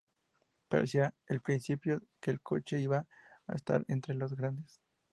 Parecía al principio que el coche iba a estar entre los grandes.